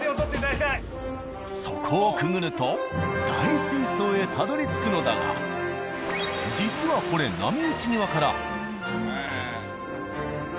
そこをくぐると大水槽へたどりつくのだが実はこれ波打ち際から。